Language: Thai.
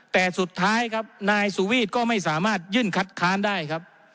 แต่สุดท้ายครับนายสุวีทก็ไม่สามารถยื่นคัดค้านได้ครับ